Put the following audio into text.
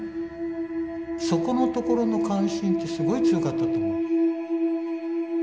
そこのところの関心ってすごい強かったと思う。